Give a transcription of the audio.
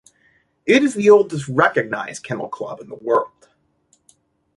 It is the oldest recognised kennel club in the world.